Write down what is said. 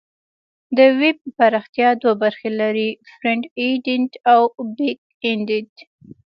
د ویب پراختیا دوه برخې لري: فرنټ اینډ او بیک اینډ.